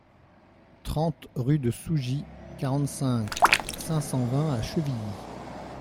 trente rue de Sougy, quarante-cinq, cinq cent vingt à Chevilly